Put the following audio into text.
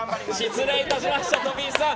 失礼いたしました、飛石さん。